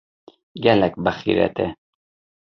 Gelek bixîret e.